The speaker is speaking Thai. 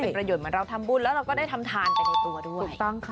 เป็นประโยชน์เหมือนเราทำบุญแล้วเราก็ได้ทำทานไปในตัวด้วย